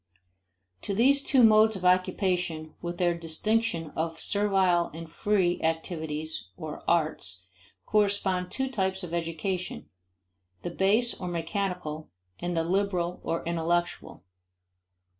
To these two modes of occupation, with their distinction of servile and free activities (or "arts") correspond two types of education: the base or mechanical and the liberal or intellectual.